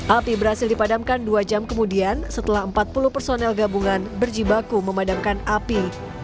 api berhasil dipadamkan dua jam kemudian setelah empat puluh personel gabungan berjibaku memadamkan api